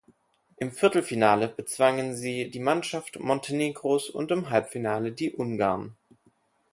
Im Viertelfinale bezwangen sie die Mannschaft Montenegros und im Halbfinale die Ungarn.